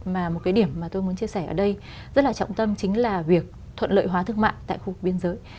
một điểm mà tôi muốn chia sẻ ở đây rất trọng tâm chính là việc thuận lợi hóa thương mại tại khu biên giới